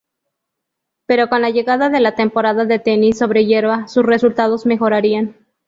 Pero, con la llegada de la temporada de tenis sobre hierba, sus resultados mejorarían.